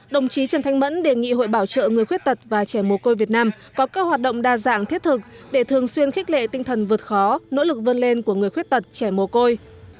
đồng chí trần thanh mẫn đề nghị hội bảo trợ người khuyết tật và trẻ mồ côi việt nam có các hoạt động đa dạng thiết thực để thường xuyên khích lệ tinh thần vượt khó nỗ lực vươn lên của người khuyết tật trẻ mồ côi